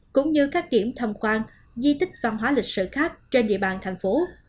cũng như các điểm thăm quan di tích văn hóa lịch sử khác trên địa bàn thành phố